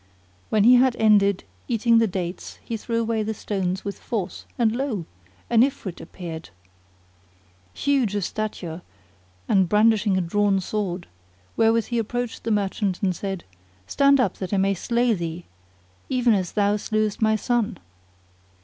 When he had ended eating the dates he threw away the stones with force and lo! an Ifrit appeared, huge of stature and brandishing a drawn sword, wherewith he approached the merchant and said, "Stand up that I may slay thee, even as thou slewest my son!"